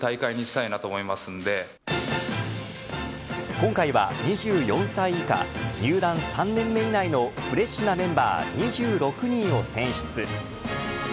今回は２４歳以下入団３年目以内のフレッシュなメンバー２６人を選出。